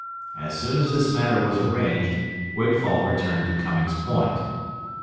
As soon as this matter was arranged, Wigfall returned to Cummings Point.